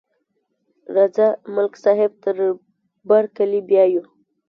راځه، ملک صاحب تر برکلي بیایو.